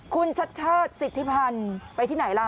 คุณชัดชาติสิทธิพันธ์ไปที่ไหนล่ะ